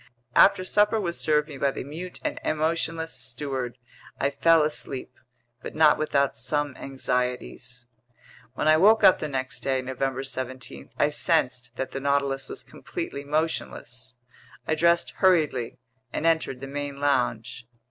After supper was served me by the mute and emotionless steward, I fell asleep; but not without some anxieties. When I woke up the next day, November 17, I sensed that the Nautilus was completely motionless. I dressed hurriedly and entered the main lounge.